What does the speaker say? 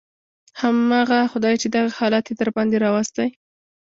همغه خداى چې دغه حالت يې درباندې راوستى.